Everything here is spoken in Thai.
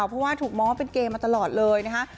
เพราะว่าถูกมองว่าเป็นเกมมาตลอดเลยนะคะ